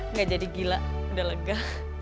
nggak jadi gila udah lega